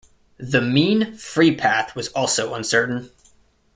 The mean free path was also uncertain.